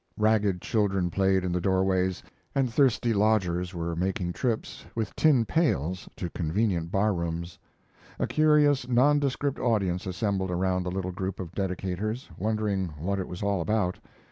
Ragged children played in the doorways, and thirsty lodgers were making trips with tin pails to convenient bar rooms. A curious nondescript audience assembled around the little group of dedicators, wondering what it was all about.